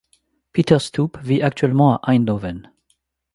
Pieter Stoop vie actuellement à Eindhoven.